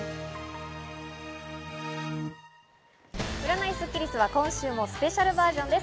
占いスッキりすは今週もスペシャルバージョンです。